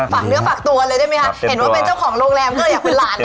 ฝากเนื้อฝากตัวเลยได้ไหมคะเห็นว่าเป็นเจ้าของโรงแรมก็เลยอยากเป็นหลาน